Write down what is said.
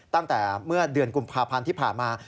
ตั้งแต่เมื่อเดือนกุมภาพันธ์ที่ผ่านมา